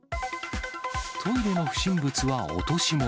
トイレの不審物は落とし物。